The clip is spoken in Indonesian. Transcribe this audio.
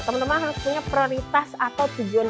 teman teman harus punya prioritas atau tujuan